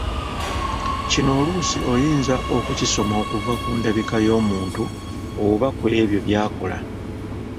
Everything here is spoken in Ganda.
Kino oluusi oyinza okukisoma okuva ku ndabika y'omuntu oba kw'ebyo by'akola.